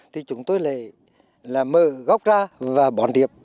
thì chúng tôi lại mở gốc ra và bón tiếp